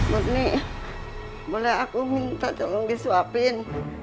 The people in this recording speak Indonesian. mutnik boleh aku minta tolong disuapin